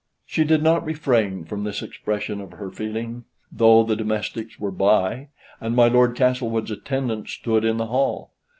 She did not refrain from this expression of her feeling, though the domestics were by, and my Lord Castlewood's attendant stood in the hall.